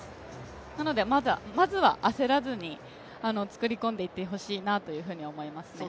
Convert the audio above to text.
なので、まずは焦らずに作り込んでいってほしいなと思いますね。